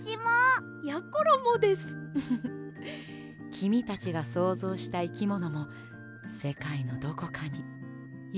きみたちがそうぞうしたいきものもせかいのどこかにいるかもしれないよ。